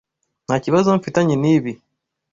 Ntakibazo mfitanye nibi.